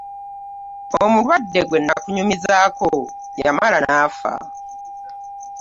Omulwadde gwe nnakunyumizaako yamala n'afa.